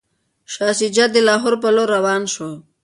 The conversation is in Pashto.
شاه شجاع د لاهور په لور روان شو.